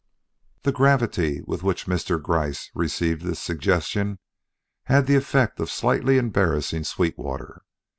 The gravity with which Mr. Gryce received this suggestion had the effect of slightly embarrassing Sweetwater.